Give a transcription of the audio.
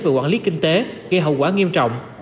về quản lý kinh tế gây hậu quả nghiêm trọng